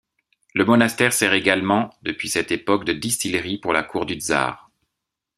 Le monastère sert également depuis cette époque de distillerie pour la cour du tsar.